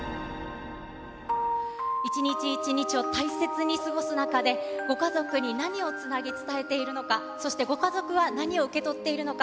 一日一日を大切に過ごす中で、ご家族に何をつなぎ、伝えているのか、そしてご家族は何を受け取っているのか。